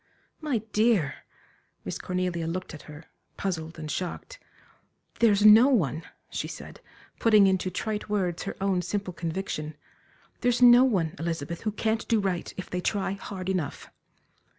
"My dear!" Miss Cornelia looked at her, puzzled and shocked. "There's no one," she said, putting into trite words her own simple conviction "there's no one, Elizabeth, who can't do right, if they try hard enough."